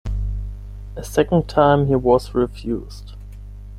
A second time he was refused.